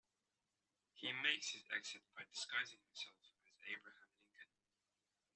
He makes his exit by disguising himself as Abraham Lincoln.